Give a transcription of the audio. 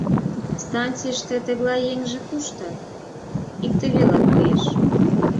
Станцийыште тыглай еҥже кушто икте веле коеш.